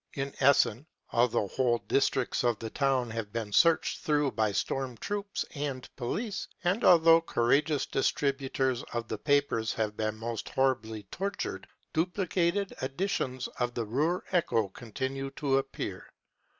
In Essen, although whole districts of the town have been searched through by storm troops and police, and although courageous distributors oP the papers have been most horribly tortured, duplicated editions of the Ruhr Echo continue to appear.